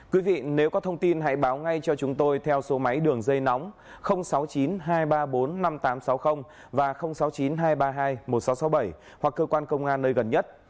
quý vị nếu có thông tin hãy báo ngay cho chúng tôi theo số máy đường dây nóng sáu mươi chín hai trăm ba mươi bốn năm nghìn tám trăm sáu mươi và sáu mươi chín hai trăm ba mươi hai một nghìn sáu trăm sáu mươi bảy hoặc cơ quan công an nơi gần nhất